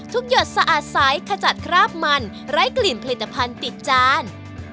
หยดสะอาดใสขจัดคราบมันไร้กลิ่นผลิตภัณฑ์ติดจาน